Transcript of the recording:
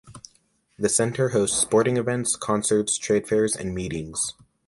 The Centre hosts sporting events, concerts, trade fairs and meetings.